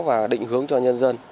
và định hướng cho nhân dân